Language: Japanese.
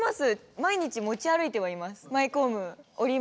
毎日持ち歩いてはいます。